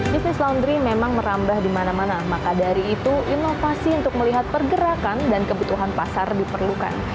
bisnis laundry memang merambah di mana mana maka dari itu inovasi untuk melihat pergerakan dan kebutuhan pasar diperlukan